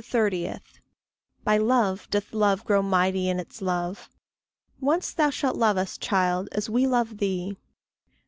30. By love doth love grow mighty in its love: Once thou shalt love us, child, as we love thee.